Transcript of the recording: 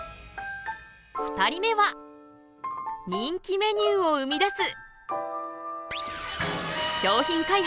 ２人目は人気メニューを生み出す。